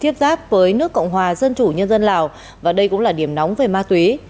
tiếp giáp với nước cộng hòa dân chủ nhân dân lào và đây cũng là điểm nóng về ma túy